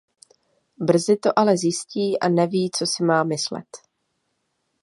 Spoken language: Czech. Brzy to ale zjistí a neví co si má myslet.